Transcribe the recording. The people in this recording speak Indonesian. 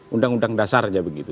undang undang dasar aja begitu